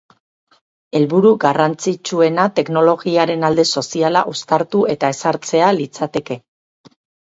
Helburu garrantzitsuena teknologiaren alde soziala uztartu eta ezartzea litzateke.